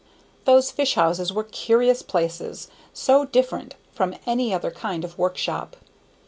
Those fish houses were curious places, so different from any other kind of workshop.